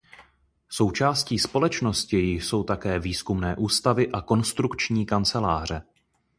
Součástí společnosti jsou také výzkumné ústavy a konstrukční kanceláře.